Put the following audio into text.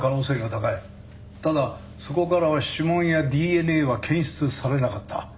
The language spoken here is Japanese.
ただそこからは指紋やＤＮＡは検出されなかった。